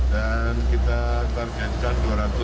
dan kita tarjakan dua ribu tujuh belas